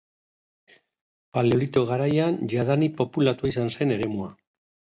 Paleolito garaian jadanik populatua izan zen eremua.